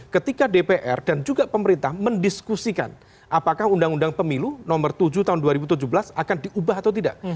ketika dpr dan juga pemerintah mendiskusikan apakah undang undang pemilu nomor tujuh tahun dua ribu tujuh belas akan diubah atau tidak